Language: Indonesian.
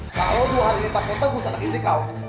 kalau dua hari ini takutnya gue bisa nangisin kau